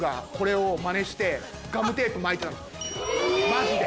マジで。